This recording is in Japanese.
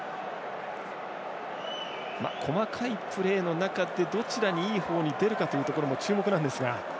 細かいプレーの中でどちらにいい方に出るかというのも注目なんですが。